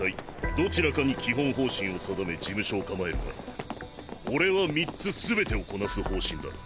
どちらかに基本方針を定め事務所を構えるが俺は３つ全てをこなす方針だ。